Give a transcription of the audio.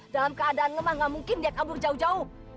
dalam keadaan lemah nggak mungkin dia kabur jauh jauh